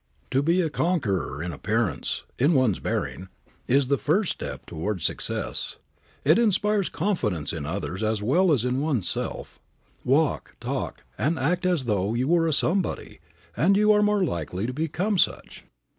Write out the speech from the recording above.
To be a conqueror in appearance, in one's bearing, is the first step toward success. It inspires confidence in others as well as in oneself. Walk, talk and act as though you were a somebody, and you are more likely to become such.